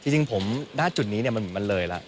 จริงผมหน้าจุดนี้มันเหมือนมันเลยละ